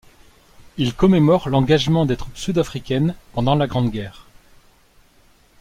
Il commémore l’engagement des troupes sud-africaines pendant la Grande guerre.